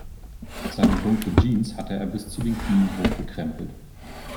Seine dunkle Jeans hatte er bis zu den Knien hochgekrempelt.